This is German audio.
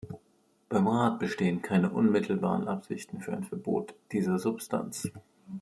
Beim Rat bestehen keine unmittelbaren Absichten für ein Verbot dieser Substanz.